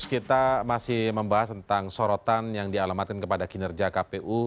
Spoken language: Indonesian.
kita masih membahas tentang sorotan yang dialamatkan kepada kinerja kpu